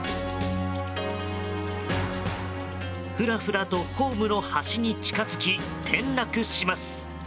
ふらふらとホームの端に近づき転落します。